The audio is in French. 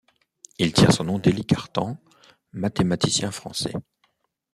Il tire son nom d'Élie Cartan, mathématicien français.